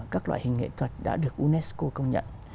các loại hình nghệ thuật đã được unesco công nhận